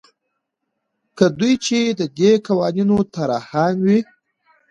لکه دوی چې د دې قوانینو طراحان وي.